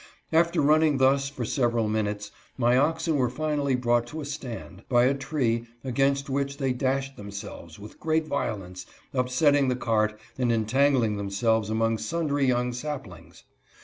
After running thus for several minutes, my oxen were finally brought to a stand, by a tree, against which they dashed themselves with great violence, upset ting the cart, and entangling themselves among sundry young saplings.